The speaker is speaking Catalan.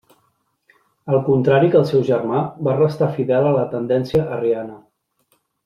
Al contrari que el seu germà va restar fidel a la tendència arriana.